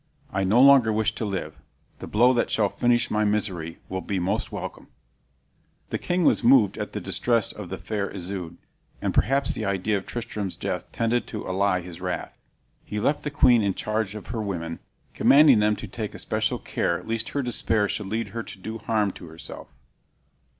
I no longer wish to live. The blow that shall finish my misery will be most welcome." The king was moved at the distress of the fair Isoude, and perhaps the idea of Tristram's death tended to allay his wrath. He left the queen in charge of her women, commanding them to take especial care lest her despair should lead her to do harm to herself.